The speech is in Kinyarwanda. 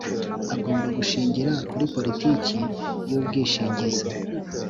agomba gushingira kuri politiki y ubwishingizi